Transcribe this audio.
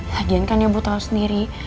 lagian kan ibu tau sendiri